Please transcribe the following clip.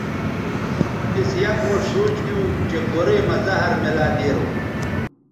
تِس یک موݜ سوچ گیو چہء گورئ مہ زہر میلہ دیرونݜ